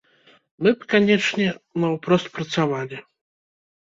Мы б, канечне, наўпрост працавалі.